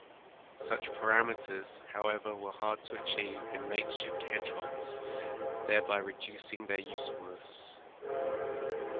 Such parameters, however were hard to achieve in makeshift hedgehogs, thereby reducing their usefulness.